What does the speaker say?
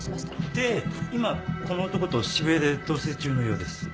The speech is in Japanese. で今この男と渋谷で同棲中のようです。